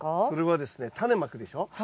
それはですねタネまくでしょ？